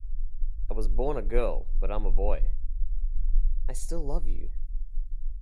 "I was born a girl, but I'm a boy." "i still love you"